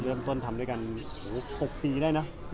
เริ่มต้นทำด้วยกัน๖ปีได้นะ